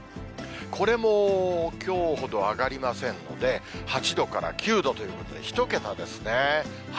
これも、きょうほど上がりませんね、８度から９度ということで、１桁ですね。